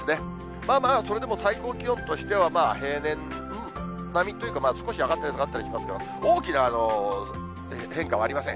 まあまあそれでも最高気温としては、平年並みというか、少し上がったり下がったりしますけれども、大きな変化はありません。